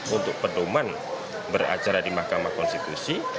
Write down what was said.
untuk pedoman beracara di mahkamah konstitusi